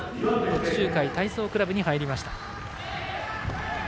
徳洲会体操クラブに入りました。